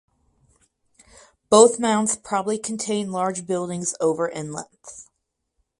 Both mounds probably contain large buildings over in length.